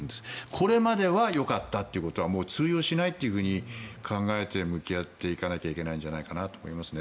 これまではよかったということはもう通用しないと考えて向き合っていかないといけないんじゃないかなと思いますね。